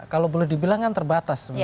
kalau boleh dibilang kan terbatas